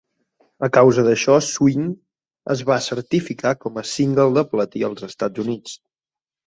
A causa d'això, "Swing" es va certificar com a "single" de platí als Estats Units.